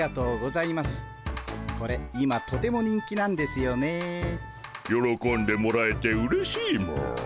よろこんでもらえてうれしいモ。